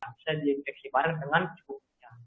bisa diinfeksi bareng dengan cukupnya